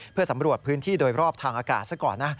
เพื่อสำรวจพื้นที่โดยรอบทางอากาศซะก่อนนะ